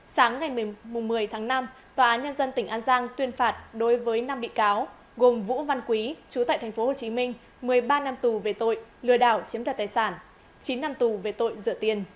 sáng ngày một mươi tháng năm tòa án nhân dân tỉnh an giang tuyên phạt đối với năm bị cáo gồm vũ văn quý chú tại tp hcm một mươi ba năm tù về tội lừa đảo chiếm đoạt tài sản chín năm tù về tội rửa tiền